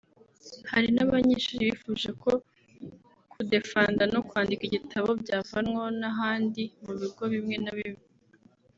Hari n’abanyeshuri bifuje ko kudefanda no kwandika igitabo byavanwaho n’ahandi mu bigo bimwe na bimwe